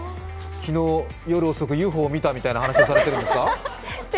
昨日、夜遅くＵＦＯを見たみたいな話をされているんですか？